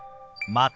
「また」。